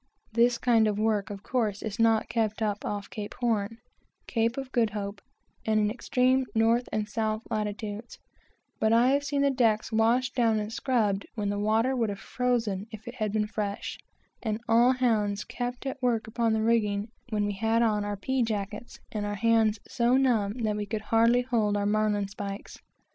This kind of work, of course, is not kept up off Cape Horn, Cape of Good Hope, and in extreme north and south latitudes; but I have seen the decks washed down and scrubbed, when the water would have frozen if it had been fresh; and all hands kept at work upon the rigging, when we had on our pea jackets, and our hands so numb that we could hardly hold our marline spikes.